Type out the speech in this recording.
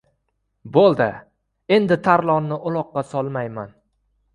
Bo‘ldi, endi Tarlonni uloqqa solmayman.